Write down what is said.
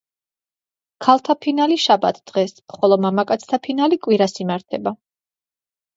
ქალთა ფინალი შაბათ დღეს, ხოლო მამაკაცთა ფინალი კვირას იმართება.